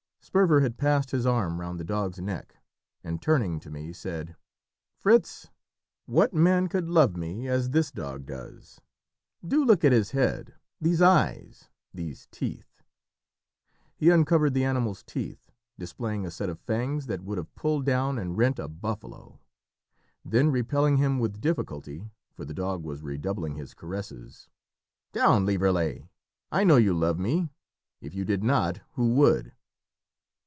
Sperver had passed his arm round the dog's neck, and, turning to me, said "Fritz, what man could love me as this dog does? Do look at this head, these eyes, these teeth!" He uncovered the animal's teeth, displaying a set of fangs that would have pulled down and rent a buffalo. Then repelling him with difficulty, for the dog was re doubling his caresses "Down, Lieverlé. I know you love me. If you did not, who would?"